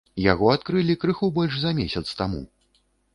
Яго адкрылі крыху больш за месяц таму.